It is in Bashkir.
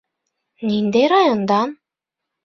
Ниндәй райондан?